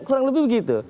kurang lebih begitu